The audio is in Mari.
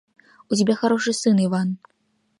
У тебя хороший сын Иван.